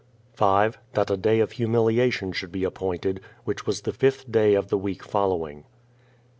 5. That a day of humiliation should be appointed, which was the fifth day of the week following.